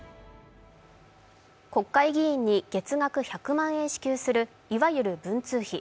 国会議員に月額１００万円支給する、いわゆる文通費。